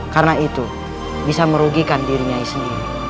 karena itu bisa merugikan diri nyai sendiri